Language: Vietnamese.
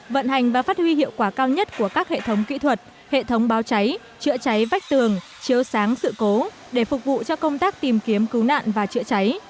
vận hành và phát huy hiệu quả cao nhất của các hệ thống kỹ thuật hệ thống báo cháy chữa cháy vách tường chiếu sáng sự cố để phục vụ cho công tác tìm kiếm cứu nạn và chữa cháy